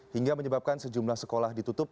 hingga menyebabkan sejumlah sekolah ditutup